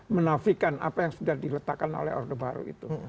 menafikan apa yang sudah diletakkan oleh orde baru itu